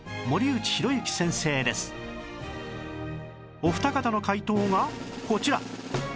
お二方の回答がこちら